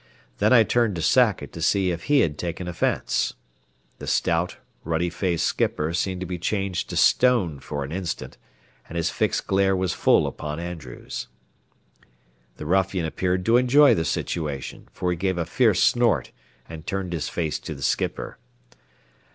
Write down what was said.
Then I turned to Sackett to see if he had taken offence. The stout, ruddy faced skipper seemed to be changed to stone for an instant, and his fixed glare was full upon Andrews. The ruffian appeared to enjoy the situation, for he gave a fierce snort and turned his face to the skipper.